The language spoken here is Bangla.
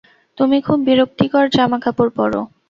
তুমি খুব বিরক্তিকর জামাকাপড় পরো।